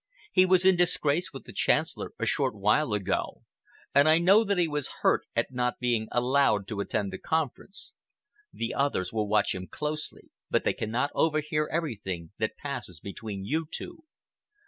He was in disgrace with the Chancellor a short while ago, and I know that he was hurt at not being allowed to attend the conference. The others will watch him closely, but they cannot overhear everything that passes between you two.